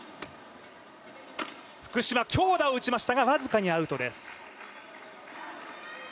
福島、強打を打ちましたが僅かにアウトです。